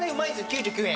９９円。